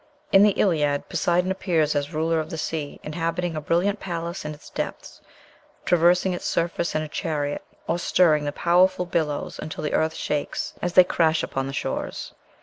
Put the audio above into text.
In the "Iliad" Poseidon appears "as ruler of the sea, inhabiting a brilliant palace in its depths, traversing its surface in a chariot, or stirring the powerful billows until the earth shakes as they crash upon the shores....